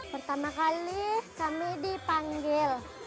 pertama kali kami dipanggil